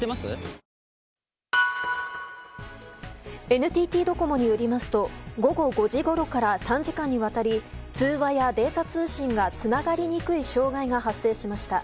ＮＴＴドコモによりますと午後５時ごろから３時間に渡り通話やデータ通信がつながりにくい障害が発生しました。